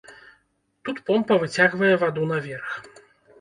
Тут помпа выцягвае ваду наверх.